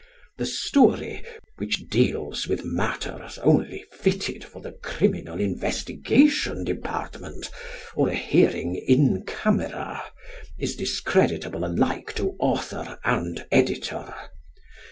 The story which deals with matters only fitted for the Criminal Investigation Department or a hearing in camera is discreditable alike to author and editor.